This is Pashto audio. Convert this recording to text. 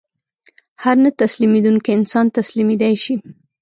هر نه تسلیمېدونکی انسان تسلیمېدای شي